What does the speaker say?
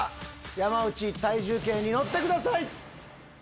⁉山内体重計に乗ってください。